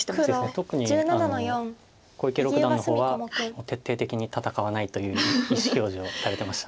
特に小池六段の方は徹底的に戦わないという意思表示をされてました。